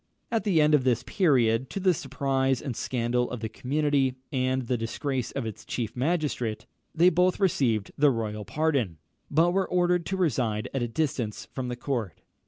At the end of this period, to the surprise and scandal of the community, and the disgrace of its chief magistrate, they both received the royal pardon, but were ordered to reside at a distance from the court.